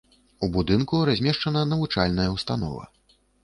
У будынку размешчана навучальная ўстанова.